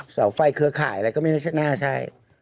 เสาไฟเครือข่ายอะไรก็ไม่น่าใช่